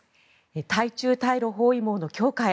対中・対ロ包囲網の強化へ。